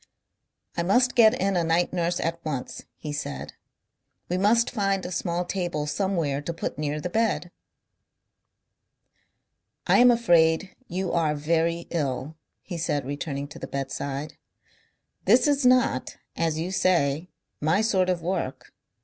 "I must get in a night nurse at once," he said. "We must find a small table somewhere to put near the bed. "I am afraid you are very ill," he said, returning to the bedside. "This is not, as you say, my sort of work.